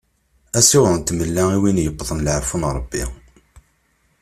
Asiweḍ n tmella i wid yewwḍen leɛfu n Rebbi.